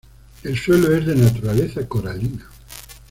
El suelo es de naturaleza coralina.